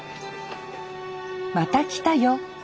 「また来たよ」